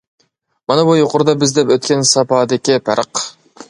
مانا بۇ يۇقىرىدا بىز دەپ ئۆتكەن ساپادىكى پەرق.